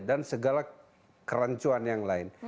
dan segala kerancuan yang lain